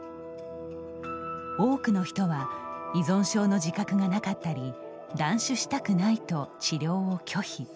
多くの人は依存症の自覚がなかったり断酒したくないと治療を拒否。